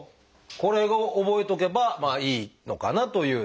これを覚えとけばまあいいのかなという。